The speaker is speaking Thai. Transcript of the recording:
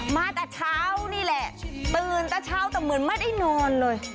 มาแต่เช้านี่แหละตื่นแต่เช้าแต่เหมือนไม่ได้นอนเลย